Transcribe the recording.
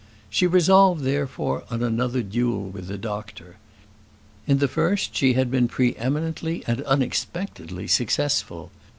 She resolved, therefore, on another duel with the doctor. In the first she had been pre eminently and unexpectedly successful.